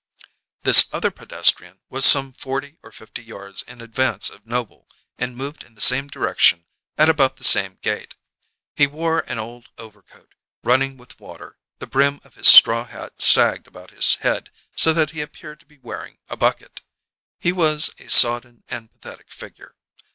This other pedestrian was some forty or fifty yards in advance of Noble and moved in the same direction at about the same gait. He wore an old overcoat, running with water; the brim of his straw hat sagged about his head, so that he appeared to be wearing a bucket; he was a sodden and pathetic figure.